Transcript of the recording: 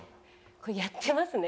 これやってますね。